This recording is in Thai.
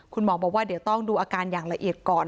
คุณหมอบอกว่าเดี๋ยวต้องดูอาการอย่างละเอียดก่อน